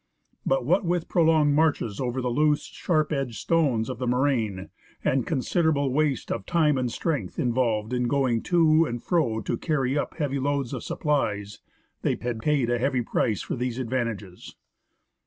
But what with prolonged marches over the loose, sharp edged stones of the moraine, and considerable waste of time and strength involved in going to and fro to carry up heavy loads of supplies, they had paid a heavy price for these advantages.